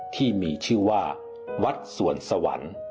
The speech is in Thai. ที่มีชื่อว่าวัดสวนสวรรค์